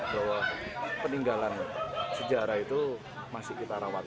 bahwa peninggalan sejarah itu masih kita rawat